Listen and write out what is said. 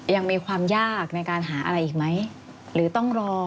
ยังมีความยากในขามุณหรือต้องรอ